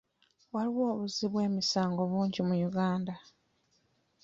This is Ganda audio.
Waliwo obuzzi bw'emisango bungi mu Uganda.